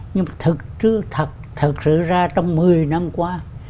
nhưng thật sự ra trong một mươi năm qua